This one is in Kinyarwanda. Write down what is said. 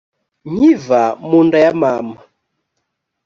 nkiva mu nda ya mama